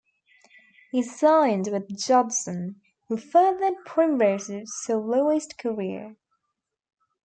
He signed with Judson who furthered Primrose's soloist career.